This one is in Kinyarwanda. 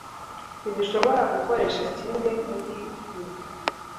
ntidushobora gukoresha kimwe murimwe